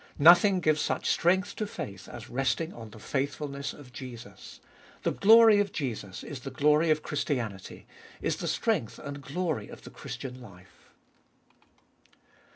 Nothing gives such strength to faith as resting on the faithfulness of Jesus. The glory of Jesus is the glory of Christianity ; is the strength and glory of the Christian life.